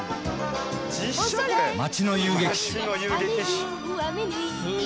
「街の遊撃手」。